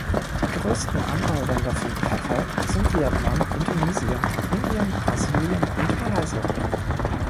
Die größten Anbauländer von Pfeffer sind Vietnam, Indonesien, Indien, Brasilien und Malaysia.